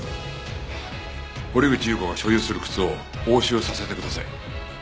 堀口裕子が所有する靴を押収させてください。